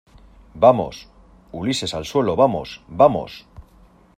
¡ vamos! Ulises, al suelo , vamos. ¡ vamos !